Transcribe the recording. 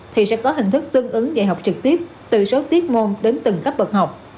thì sẽ có hình thức tương ứng dạy học trực tiếp từ số tiết môn đến từng cấp bậc học